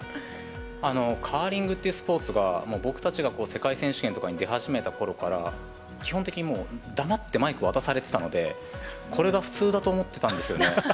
カーリングってスポーツは、もう僕たちが世界選手権に出始めたころから、基本的にもう、黙ってマイク渡されてたんで、これが普通だと思ってたんですよね。